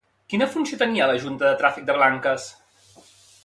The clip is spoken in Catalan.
Quina funció tenia la Junta de Tràfic de Blanques?